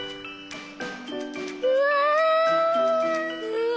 うわ！